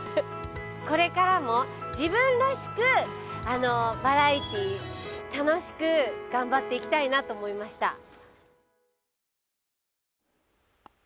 これからも自分らしくバラエティー楽しく頑張っていきたいなと思いました。